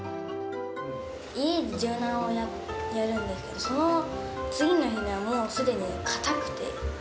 家で柔軟をやるんですけど、その次の日にはもうすでに硬くて。